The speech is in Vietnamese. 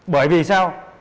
bởi vì sao